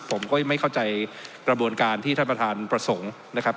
ผมก็ไม่เข้าใจกระบวนการที่ท่านประธานประสงค์นะครับ